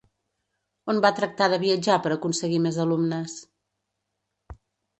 On va tractar de viatjar per aconseguir més alumnes?